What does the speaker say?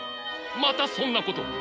またそんなことを！